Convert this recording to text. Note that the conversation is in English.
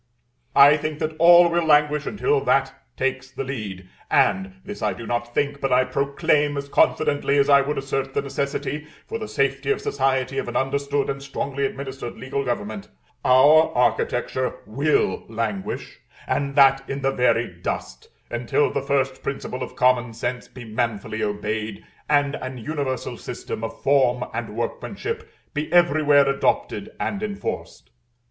I think that all will languish until that takes the lead, and (this I do not think, but I proclaim, as confidently as I would assert the necessity, for the safety of society, of an understood and strongly administered legal government) our architecture will languish, and that in the very dust, until the first principle of common sense be manfully obeyed, and an universal system of form and workmanship be everywhere adopted and enforced.